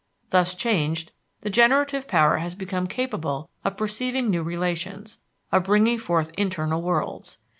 Thus changed, the generative power has become capable of perceiving new relations, of bringing forth internal worlds.